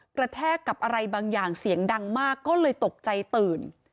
แทกกับอะไรบางอย่างเสียงดังมากก็เลยตกใจตื่น